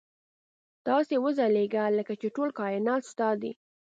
داسې وځلېږه لکه چې ټول کاینات ستا دي.